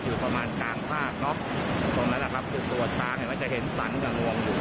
อยู่ประมาณกลางภาคเนอะตรงนั้นนะครับคือตัวช้างเห็นว่าจะเห็นสันกับงวงอยู่